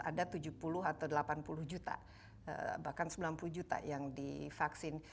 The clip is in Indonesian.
ada tujuh puluh atau delapan puluh juta bahkan sembilan puluh juta yang divaksin